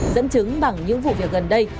dẫn chứng bằng những vụ việc gần đây